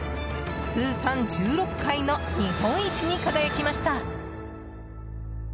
通算１６回の日本一に輝きました。